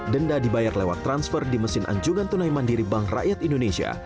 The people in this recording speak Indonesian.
denda dibayar lewat transfer di mesin anjungan tunai mandiri bank rakyat indonesia